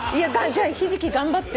じゃあひじき頑張って。